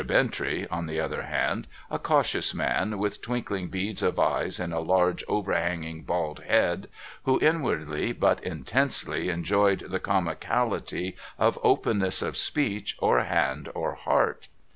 Bintrey, on the other hand, a cautious man, with twinkling beads of eyes in a large overhanging bald head, who inwardly but intensely enjoyed the comicality of openness of speech, or hand, or heart.